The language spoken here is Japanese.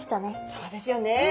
そうですよね。